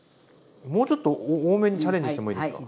もうちょっと多めにチャレンジしてもいいですか？